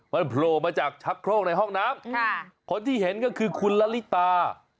มันโผล่มาจากชักโครกในห้องน้ำคนที่เห็นก็คือคุณละลิตา